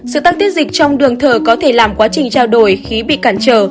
sự tăng tiết dịch trong đường thở có thể làm quá trình trao đổi khí bị cản trở